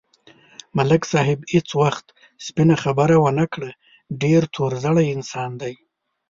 ملک صاحب هېڅ وخت سپینه خبره و نه کړه، ډېر تور زړی انسان دی.